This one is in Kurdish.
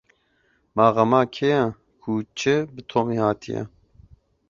Ma xema kê ye ku çi bi Tomî hatiye?